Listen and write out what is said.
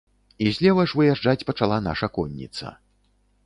І злева ж выязджаць пачала наша конніца.